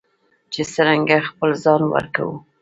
چې څرنګه خپل ځان ورکوو.